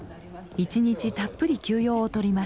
一日たっぷり休養をとりました。